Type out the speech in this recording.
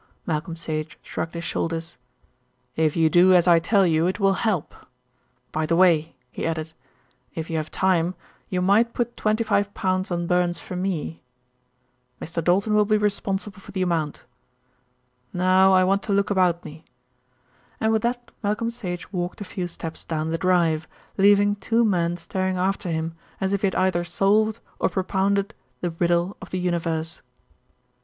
Malcolm Sage shrugged his shoulders. "If you do as I tell you, it will help. By the way," he added, "if you have time, you might put twenty five pounds on Burns for me. Mr. Doulton will be responsible for the amount. Now I want to look about me," and with that Malcolm Sage walked a few steps down the drive, leaving two men staring after him as if he had either solved or propounded the riddle of the universe.